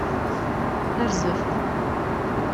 Rzef.